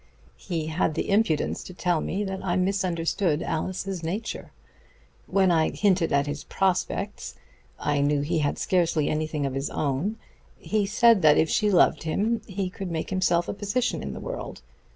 He had the impudence to tell me that I misunderstood Alice's nature. When I hinted at his prospects I knew he had scarcely anything of his own he said that if she loved him he could make himself a position in the world.